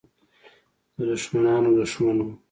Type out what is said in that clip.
د دښمنانو دښمن وو.